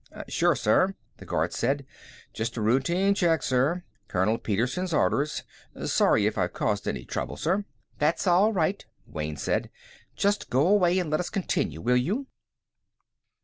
"Sure, sir," the guard said. "Just a routine check, sir. Colonel Petersen's orders. Sorry if I've caused any trouble, sir." "That's all right," Wayne said. "Just go away and let us continue, will you?"